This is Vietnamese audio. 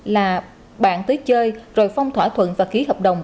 là bạn tới chơi rồi phong thỏa thuận và ký hợp đồng